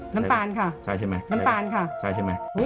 น้ำตาลค่ะน้ำตาลค่ะใช่ใช่ไหม